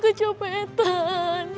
aku kecoh petan